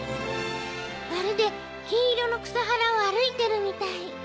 まるで金色の草原を歩いてるみたい。